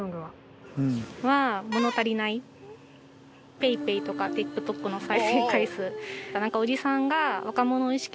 「ＰａｙＰａｙ」とか「ＴｉｋＴｏｋの再生回数」。